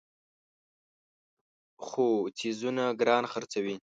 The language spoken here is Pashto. خو څیزونه ګران خرڅوي.